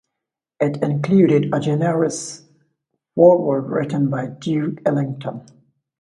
It included a generous foreword written by Duke Ellington.